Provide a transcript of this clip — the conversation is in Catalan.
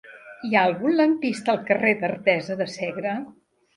Hi ha algun lampista al carrer d'Artesa de Segre?